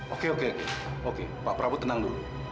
oke oke oke pak prabu tenang dulu